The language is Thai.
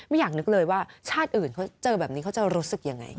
อยากนึกเลยว่าชาติอื่นเขาเจอแบบนี้เขาจะรู้สึกยังไง